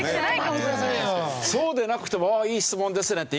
そうでなくても「いい質問ですね」って